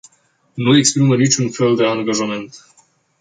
Nu exprimă niciun fel de angajament.